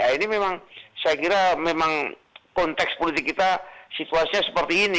ini memang saya kira memang konteks politik kita situasinya seperti ini